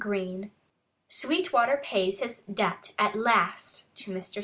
XXXV SWEETWATER PAYS HIS DEBT AT LAST TO MR.